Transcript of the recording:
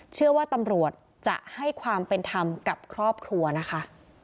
เชื่อว่าตำรวจจะให้ความเป็นธรรมกับครอบครัวนะคะ